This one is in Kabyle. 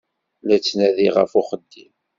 La ttnadiɣ ɣef uxeddim.